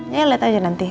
ya lihat aja nanti